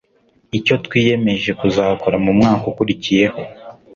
Icyo twiyemeje kuzakora mu mwaka ukurikiyeho